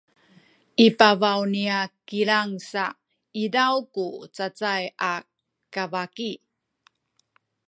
i pabaw niya kilang sa izaw ku cacay a kabaki